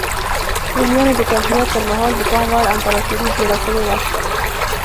رومیانو د جمهوریت پرمهال د پام وړ امپراتوري جوړه کړې وه